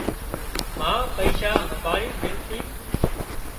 ما پئيشا همڀاۯينَ ميليتي